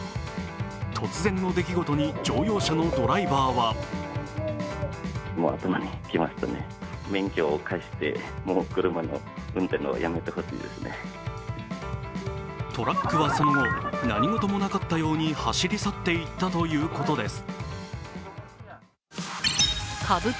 突然の出来事に乗用車のドライバーはトラックはその後、何事もなかったように走り去っていったということです。